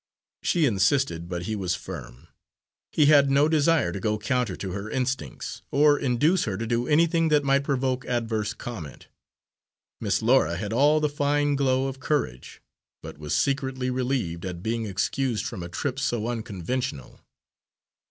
She insisted, but he was firm. He had no desire to go counter to her instincts, or induce her to do anything that might provoke adverse comment. Miss Laura had all the fine glow of courage, but was secretly relieved at being excused from a trip so unconventional.